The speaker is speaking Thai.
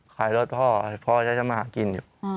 ขายรถพ่อพ่อจะมาหากินอยู่